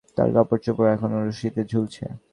তার কাপড়-চোপড় এখনো রশিতে ঝুলছে।